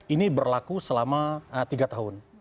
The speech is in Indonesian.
ini berlaku selama tiga tahun